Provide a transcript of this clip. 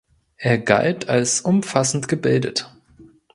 Er galt als umfassend gebildet.